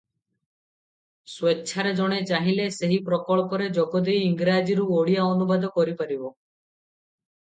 ସ୍ୱେଚ୍ଛାରେ ଜଣେ ଚାହିଁଲେ ସେହି ପ୍ରକଳ୍ପରେ ଯୋଗଦେଇ ଇଂରାଜୀରୁ ଓଡ଼ିଆ ଅନୁବାଦ କରିପାରିବ ।